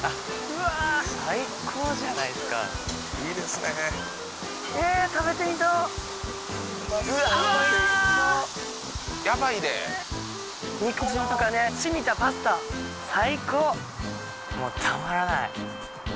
うわおいしそうヤバイで肉汁とかねしみたパスタ最高もうたまらない